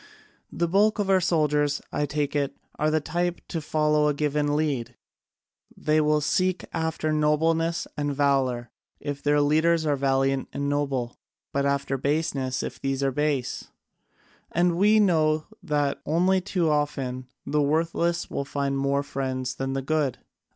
The bulk of our soldiers, I take it, are of the type to follow a given lead: they will seek after nobleness and valour if their leaders are valiant and noble, but after baseness if these are base. And we know that only too often the worthless will find more friends than the good.